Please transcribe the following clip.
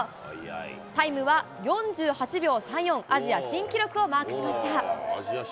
タイムは４８秒３４、アジア新記録をマークしました。